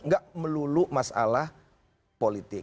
enggak melulu masalah politik